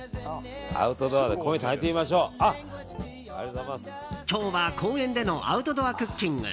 アウトドアで今日は公園でのアウトドアクッキング。